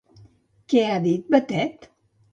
Què ha dit Batet?